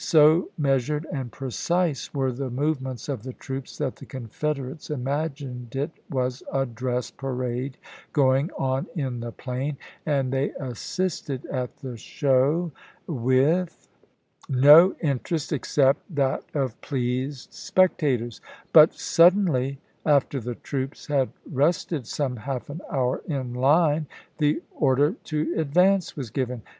So measured and precise were the movements of the troops that the Confederates imagined it was a dress parade going on in the plain, and they assisted at the show with 136 ABRAHAM LINCOLN CHATTANOOGA 137 138 ABRAHAM LINCOLN Chap, V. no interest, except that of pleased spectators ; but suddenly, after the troops had rested some half an hour in line, the order to advance was given. Nov.